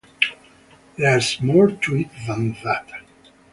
There's more to it than that.